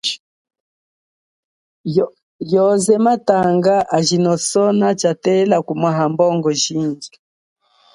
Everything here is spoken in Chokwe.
Yoze makatanga ajino sona tshatamba kumwaha mbongo jindji.